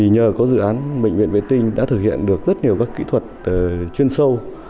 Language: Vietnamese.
nhờ có dự án bệnh viện vệ tinh đã thực hiện được rất nhiều các kỹ thuật chuyên sâu